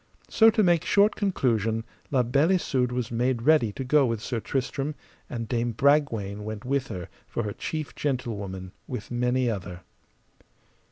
So, to make short conclusion, La Beale Isoud was made ready to go with Sir Tristram, and Dame Bragwaine went with her for her chief gentlewoman, with many other.